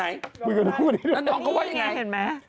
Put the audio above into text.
น้องก็ว่าอย่างไร